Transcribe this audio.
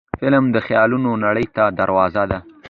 فلم د خیالونو نړۍ ته دروازه ده